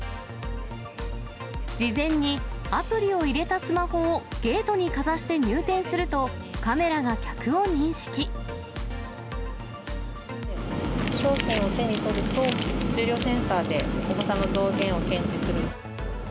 事前にアプリを入れたスマホをゲートにかざして入店すると、商品を手に取ると、重量センサーで重さの増減を検知する。